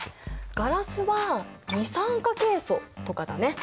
ガラスは二酸化ケイ素とかだね。